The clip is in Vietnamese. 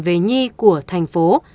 về nhi của thành phố